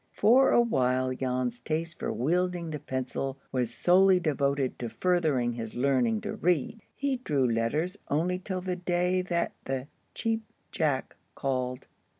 For a while Jan's taste for wielding the pencil was solely devoted to furthering his learning to read. He drew letters only till the day that the Cheap Jack called.